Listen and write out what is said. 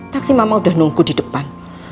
taksi mama udah nunggu di depan